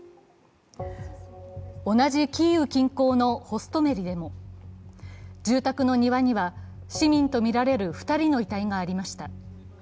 同じキーウ近郊のホストメリでも住宅の庭には市民とみられる２人の遺体がありました。